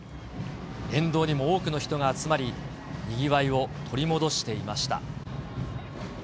沿道にも多くの人が集まり、にぎわいを取り戻していました。